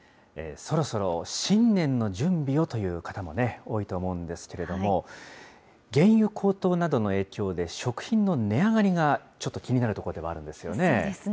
そろそろ新年の準備をという方もね、多いと思うんですけれども、原油高騰などの影響で、食品の値上がりがちょっと気になるところではあるんですよね。